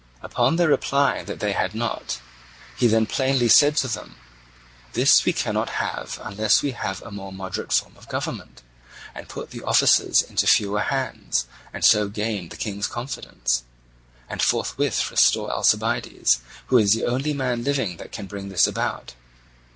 Upon their replying that they had not, he then plainly said to them: "This we cannot have unless we have a more moderate form of government, and put the offices into fewer hands, and so gain the King's confidence, and forthwith restore Alcibiades, who is the only man living that can bring this about.